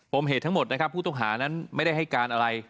มเหตุทั้งหมดนะครับผู้ต้องหานั้นไม่ได้ให้การอะไร